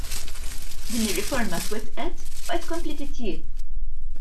Din ir-riforma twettqet u qed tkompli titjieb.